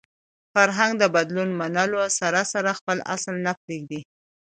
فرهنګ د بدلون منلو سره سره خپل اصل نه پرېږدي.